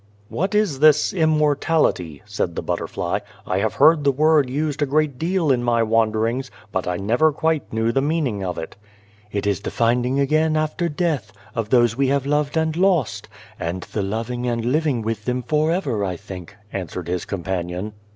" What is this immortality ?" said the butterfly. " I have heard the word used a great deal in my wanderings, but I never quite knew the meaning of it." "It is the finding again, after death, of those we have loved and lost ; and the loving and living with them forever, I think," answered his companion.